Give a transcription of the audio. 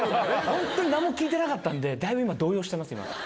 ホントに何も聞いてなかったんでだいぶ今動揺してます。